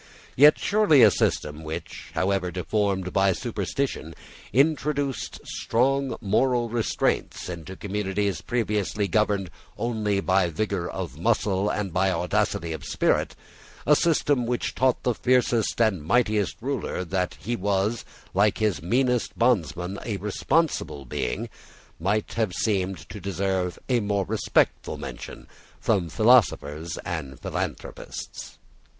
Yet surely a system which, however deformed by superstition, introduced strong moral restraints into communities previously governed only by vigour of muscle and by audacity of spirit, a system which taught the fiercest and mightiest ruler that he was, like his meanest bondman, a responsible being, might have seemed to deserve a more respectful mention from philosophers and philanthropists.